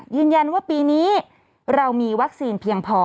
ยืนยันว่าปีนี้เรามีวัคซีนเพียงพอ